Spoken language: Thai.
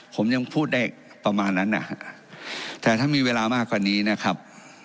ผมยังพูดได้ประมาณนั้นนะฮะแต่ถ้ามีเวลามากกว่านี้นะครับ